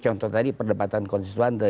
contoh tadi perdebatan konstituante